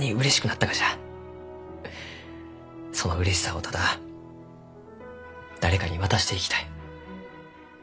そのうれしさをただ誰かに渡していきたい。